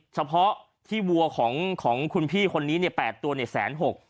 เฉพาะที่วัวของคุณพี่คนนี้๘ตัวแสน๖ตัว